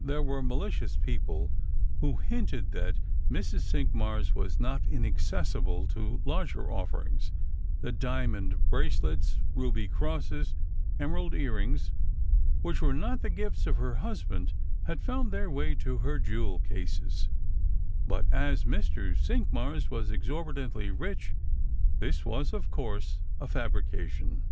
There were malicious people who hinted that Mrs. Cinqmars was not inaccessible to larger offerings ; that diamond bracelets, ruby crosses, emerald ear rings, which were not the gifts of her husband, had found their way to her jewel cases ; but as Mr. Cinqmars was exorbitantly rich, this was of course a fabrication.